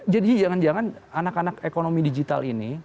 jangan jangan anak anak ekonomi digital ini